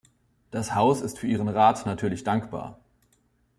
Das Haus ist für Ihren Rat natürlich dankbar.